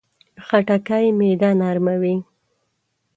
خټکی معده نرموي.